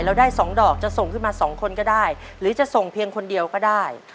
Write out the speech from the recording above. ได้๒ดอกจะส่งขึ้นมา๒คนก็ได้หรือจะส่งเพียงคนเดียวก็ได้